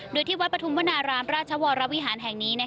โดยที่วัดปฐุมวนารามราชวรวิหารแห่งนี้